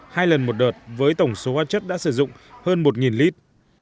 hai lần một đợt với tổng số hóa chất đã sử dụng hơn một lít